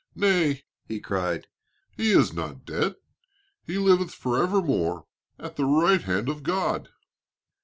"Nay," he cried, "he is not dead, he liveth forever more at the right hand of God."